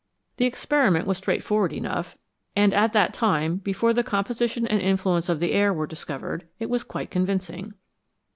The experiment was straight forward enough, and at that time, before the composition and influence of the air were discovered, it was quite convincing.